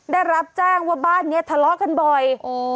ได้รับแจ้งว่าบ้านนี้ทะเลาะกันบ่อย